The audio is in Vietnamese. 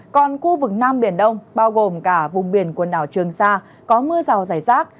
còn khu vực nam biển đông bao gồm cả vùng biển quần đảo trường sa có mưa rào rải rác